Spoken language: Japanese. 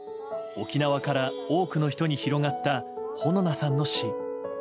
沖縄から多くの人に広がった穂菜さんの詩。